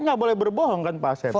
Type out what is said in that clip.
nggak boleh berbohong kan pak asep